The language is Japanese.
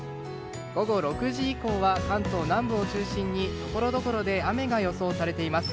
午後６時以降は関東南部を中心にところどころで雨が予想されています。